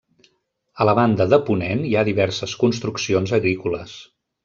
A la banda de ponent hi ha diverses construccions agrícoles.